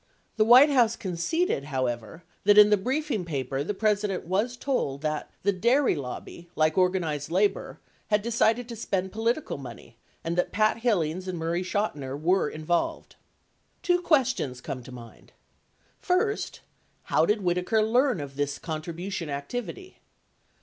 85 The White House conceded, however, that in the briefing paper the President was told that "the dairy lobby — like organized labor — had decided to spend political money and that Pat Hillings and Murray Chotiner were involved." 86 Two questions come to mind: First, how did Whitaker learn of their contribution activity